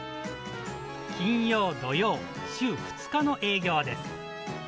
金曜、土曜、週２日の営業です。